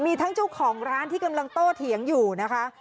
มีทั้งเจ้าของร้านที่กำลังโตเถียงอยู่นะคะ